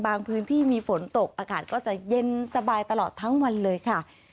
พื้นที่มีฝนตกอากาศก็จะเย็นสบายตลอดทั้งวันเลยค่ะ